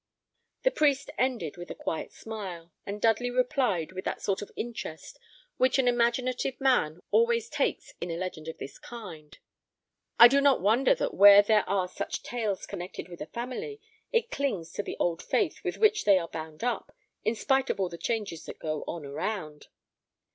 The priest ended with a quiet smile, and Dudley replied with that sort of interest which an imaginative man always takes in a legend of this kind, "I do not wonder that where there are such tales connected with a family, it clings to the old faith with which they are bound up, in spite of all the changes that go on around."